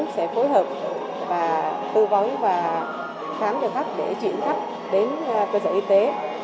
sẽ phối hợp và tư vấn và khám cho khách để chuyển khách đến cơ sở y tế